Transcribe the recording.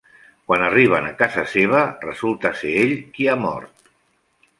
Quan arriben a casa seva, resulta ser ell qui ha mort.